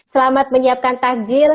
selamat menyiapkan tahjil